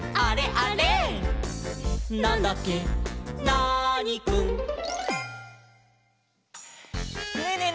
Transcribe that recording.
ナーニくん」ねえねえ